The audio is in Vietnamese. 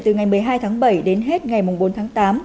từ ngày một mươi hai tháng bảy đến hết ngày bốn tháng tám